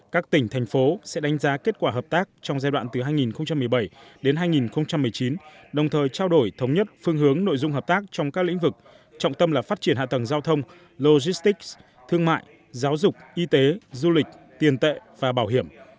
các tỉnh thành phố sẽ đánh giá kết quả hợp tác trong giai đoạn từ hai nghìn một mươi bảy đến hai nghìn một mươi chín đồng thời trao đổi thống nhất phương hướng nội dung hợp tác trong các lĩnh vực trọng tâm là phát triển hạ tầng giao thông logistics thương mại giáo dục y tế du lịch tiền tệ và bảo hiểm